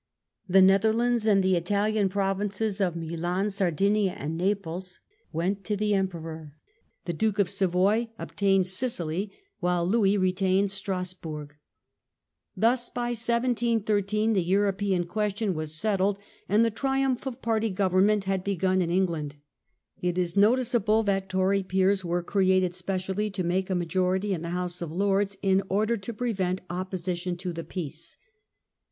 The Netherlands and the Italian pro vinces of Milan, Sardinia, and Naples went to the emperor, the Duke of Savoy obtained Sicily, while Louis retained Strasbourg. Thus, by 17 13, the European question was settled and the triumph of party government had begun in England. It is noticeable that Tory peers were created specially to make a majority in the House of Lords in order to pre vent opposition to the Peace.